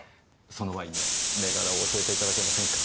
そのワインの銘柄を教えていただけませんか？